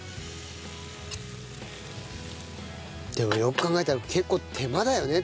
でもよく考えたら結構手間だよね